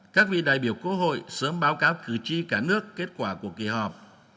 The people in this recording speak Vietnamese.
các vị đại biểu quốc hội sớm báo cáo cử tri cả nước kết quả của kỳ họp